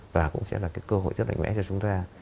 và cũng sẽ là cơ hội rất đánh mẽ cho chúng ta